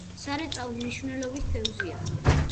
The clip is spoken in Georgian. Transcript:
სარეწაო მნიშვნელობის თევზია.